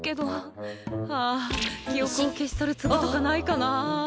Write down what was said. はあ記憶を消し去るツボとかないかなあ